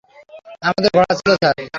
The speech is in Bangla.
আমাদের ঘোড়া ছিল, স্যার।